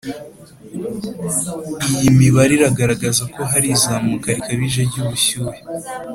Iyi mibare iragaragaza ko hari izamuka rikabije ry’ubushyuhe